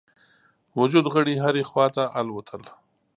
وجود غړي هري خواته الوتل.